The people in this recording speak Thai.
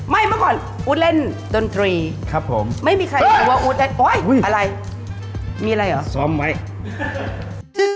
ไหม้เมื่อก่อนอุ๊ดเล่นดนตรีไม่มีใครช่วยว่าอุ๊ดเล่นโอ๊ยอะไรมีอะไรเหรอ